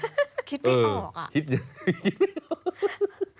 เข้ามีไหมอ่ะ